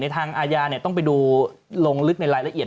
ทางอาญาต้องไปดูลงลึกในรายละเอียด